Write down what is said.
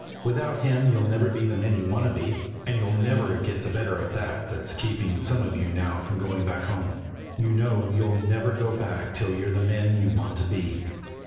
Without Him you'll never be the men you want to be, and you'll never get the better of that that's keeping some of you now from going back home. You know you'll never go back till you're the men you want to be."